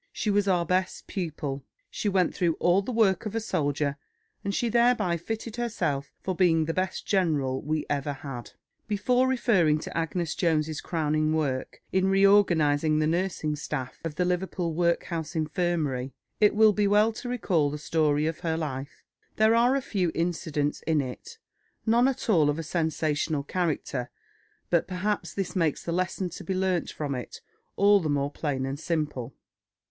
She was our best pupil; she went through all the work of a soldier, and she thereby fitted herself for being the best general we ever had." Before referring to Agnes Jones's crowning work in reorganising the nursing staff of the Liverpool Workhouse Infirmary, it will be well to recall the story of her life. There are few incidents in it, none at all of a sensational character; but perhaps this makes the lesson to be learnt from it all the more plain and simple.